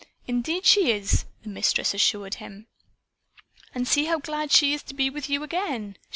"Indeed she is!" the Mistress assured him. "And see how glad she is to be with you again!